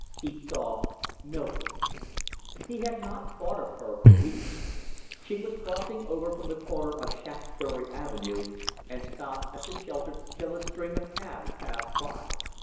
He saw Mildred. He had not thought of her for weeks. She was crossing over from the corner of Shaftesbury Avenue and stopped at the shelter till a string of cabs passed by.